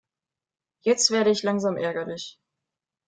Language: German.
Jetzt werde ich langsam ärgerlich.